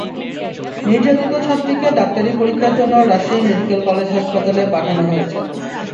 নির্যাতিত ছাত্রীকে ডাক্তারি পরীক্ষার জন্য রাজশাহী মেডিকেল কলেজ হাসপাতালে পাঠানো হয়েছে।